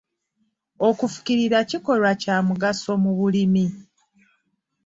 Okufukirira kikolwa kya mugaso mu bulimi.